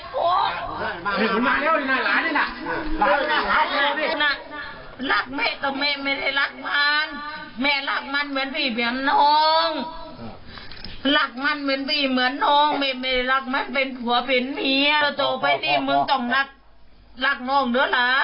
ก็รู้มันเป็นหัวผิดเมียเดอะโตไปที่มึงต้องรักรักน้องด้วยล่ะ